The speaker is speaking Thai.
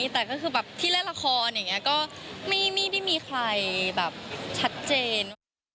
แต่ที่เล่าละครจริงอันนี้ไม่มีใครชัดเจน